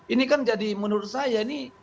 ini kan jadi menurut saya ini